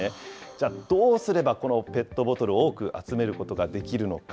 じゃあ、どうすれば、このペットボトルを多く集めることができるのか。